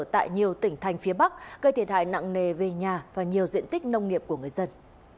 tại nhiều tỉnh thành phía bắc gây thiệt hại nặng nề về nhà và nhiều diện tích nông nghiệp của người dân